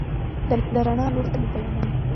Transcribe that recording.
د رڼا لور ته مو بیايي.